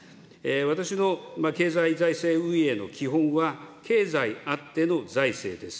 私の経済財政運営の基本は、経済あっての財政です。